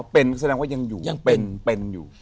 อ๋อเป็นก็แสดงว่ายังอยู่เป็นอยู่